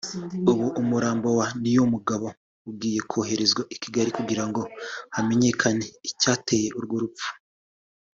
ubu umurambo wa Niyomugabo ugiye koherezwa i Kigali kugirango hamenyekane icyateye urwo rupfu